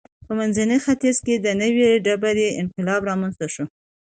په منځني ختیځ کې د نوې ډبرې انقلاب رامنځته شو.